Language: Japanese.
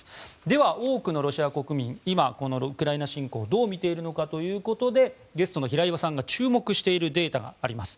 では、多くのロシア国民は今、ウクライナ侵攻をどう見ているのかということでゲストの平岩さんが注目しているデータがあります。